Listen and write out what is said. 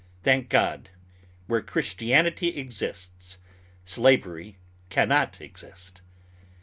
Thank God, where Christianity exists slavery cannot exist.